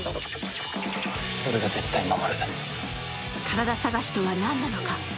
「カラダ探し」とは何なのか。